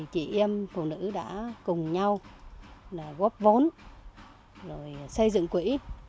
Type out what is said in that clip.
chị em phụ nữ đã cùng nhau góp vốn rồi xây dựng quỹ